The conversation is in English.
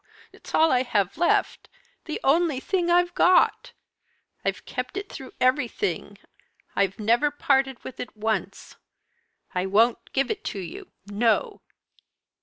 no! It is all I have left the only thing I've got. I've kept it through everything I've never parted from it once. I won't give it you no!"